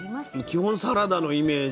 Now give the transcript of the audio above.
基本サラダのイメージ？